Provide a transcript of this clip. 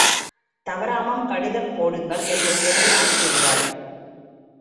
தவறாமல் கடிதம் போடுங்கள் என்று சொல்லி அனுப்புகிறாள்.